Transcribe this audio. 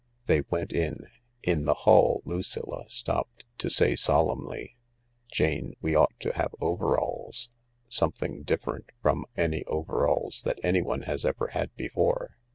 They went in ; in the hall Lucilla stopped to say solemnly, "Jane, we ought to have overalls. Something different from any overalls that anyone has ever had before.